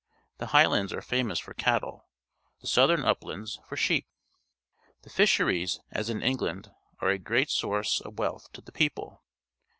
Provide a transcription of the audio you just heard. The Highlands are famous for cattle; the southern uplands, for sheep. The fisheries, as in England, are a great source of wealth to the people.